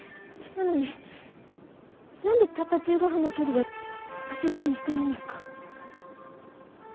なのになんでたった１５分の距離で足踏みしてるんですか？